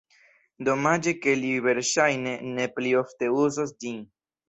Domaĝe ke li verŝajne ne pli ofte uzos ĝin.